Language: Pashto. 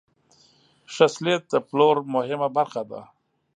ښه سلیت د پلور مهمه برخه ده.